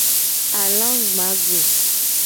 Alagba go.